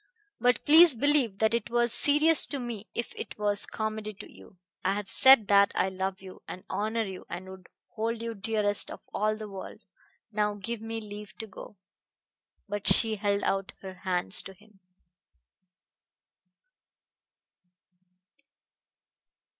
But please believe that it was serious to me if it was comedy to you. I have said that I love you and honor you and would hold you dearest of all the world. Now give me leave to go." But she held out her hands to him.